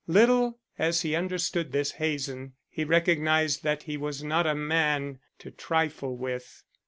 Little as he understood this Hazen, he recognized that he was not a man to trifle with.